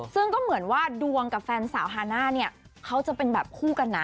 ซึ่งก็เหมือนว่าดวงกับแฟนสาวฮาน่าเนี่ยเขาจะเป็นแบบคู่กันนะ